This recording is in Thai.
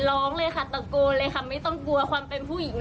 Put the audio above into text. ร้องเลยค่ะตะโกนเลยค่ะไม่ต้องกลัวความเป็นผู้หญิง